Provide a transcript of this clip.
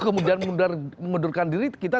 kemudian mengundurkan diri kita